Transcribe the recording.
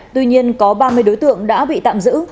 tuy nhiên có ba mươi đối tượng đã bị tạm giữ